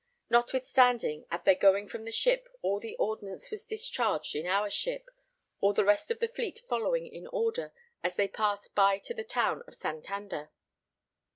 Notwithstanding, at their going from the ship all the ordnance was discharged in our ship, all the rest of the Fleet following in order as they passed by to the town of Santander.